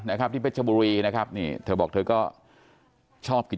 ในเพชรบุรีนะครับ